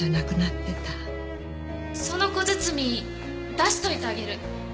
その小包出しておいてあげる。